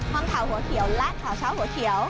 มังเถาหัวเขียวลาดเถาเช้าหัวเขียว